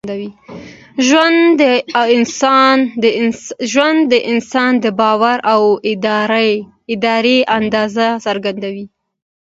ژوند د انسان د باور او ارادې اندازه څرګندوي.